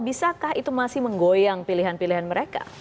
bisakah itu masih menggoyang pilihan pilihan mereka